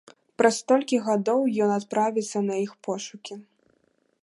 Праз столькі гадоў ён адправіцца на іх пошукі.